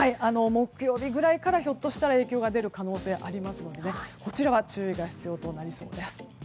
木曜日ぐらいからひょっとしたら影響が出る可能性がありますのでこちらは注意が必要となりそうです。